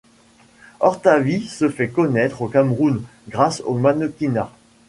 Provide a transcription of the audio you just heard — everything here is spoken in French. Hortavie se fait connaître au Cameroun grâce au mannequinat.